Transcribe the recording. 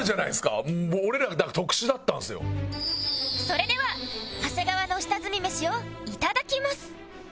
それでは長谷川の下積みメシを頂きます